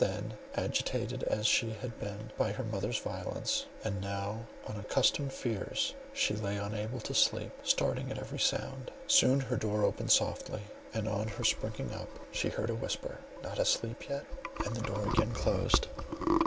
Then, agitated as she had been by her mother's violence, and now by unaccustomed fears, she lay unable to sleep, starting at every sound. Soon her door opened softly, and on her springing up, she heard a whisper, "Not asleep yet," and the door again closed.